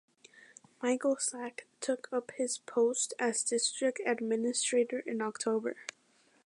Michael Sack took up his post as district administrator in October.